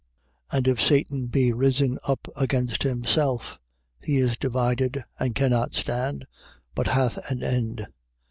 3:26. And if Satan be risen up against himself, he is divided, and cannot stand, but hath an end.